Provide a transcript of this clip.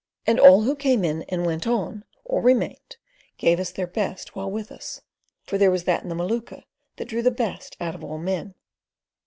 And all who came in, and went on, or remained, gave us of their best while with us; for there was that in the Maluka that drew the best out of all men.